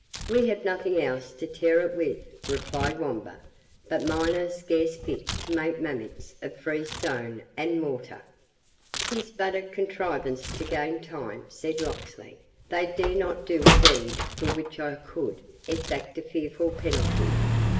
"We have nothing else to tear it with," replied Wamba; "but mine are scarce fit to make mammocks of freestone and mortar." "'Tis but a contrivance to gain time," said Locksley; "they dare not do a deed for which I could exact a fearful penalty."